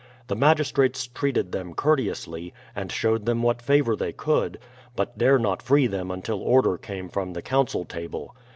The magistrates treated them courteously, and showed them what favour they could; but dare not free them until order came from the council table.